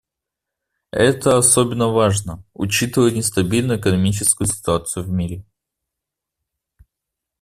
Это особенно важно, учитывая нестабильную экономическую ситуацию в мире.